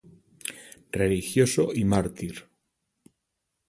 Religioso y Mártir.